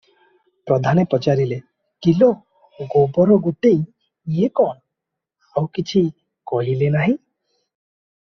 ପ୍ରଧାନେ ପଚାରିଲେ- "କିଲୋ ଗୋବରଗୋଟେଇ ଏ କଣ?" ଆଉ କିଛି କହିଲେ ନାହିଁ ।